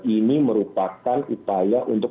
ini merupakan upaya untuk